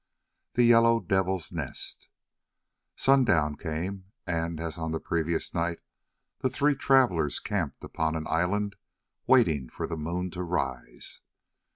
THE YELLOW DEVIL'S NEST Sundown came, and, as on the previous night, the three travellers camped upon an island waiting for the moon to rise.